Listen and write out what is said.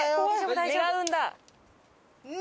願うんだ！